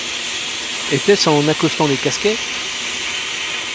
Était-ce en accostant les Casquets?